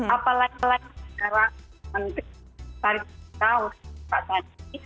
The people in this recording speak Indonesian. apalagi sekarang menteri tarif kita usaha pak sadiq